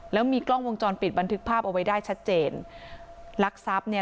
แล้วมีกล้องวงจรปิดบันทึกภาพเอาไว้ได้ชัดเจนลักทรัพย์เนี่ย